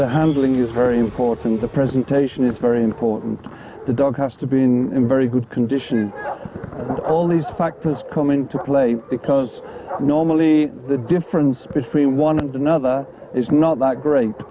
jadi teknikalitasnya membedakan anjing